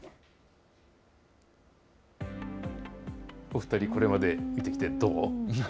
お２人、これまで見てきてどーう？